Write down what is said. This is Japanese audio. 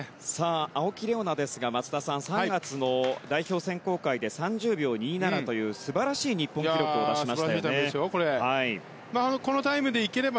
青木玲緒樹ですが松田さん、３月の代表選考会で３０秒２７という素晴らしい日本記録を出しましたよね。